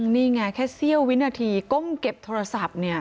นี่ไงแค่เสี้ยววินาทีก้มเก็บโทรศัพท์